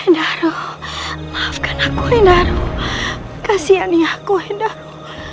endaro maafkan aku endaro kasihan aku endaro